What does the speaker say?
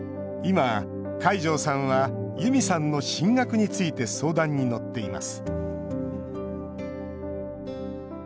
今、海上さんはユミさんの進学について相談に乗っています